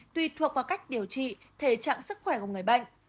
tùy thuộc vào cách điều trị thể trạng sức khỏe của người bệnh